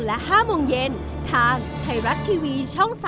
ฮ่าถ้าฆ่านานเหรอ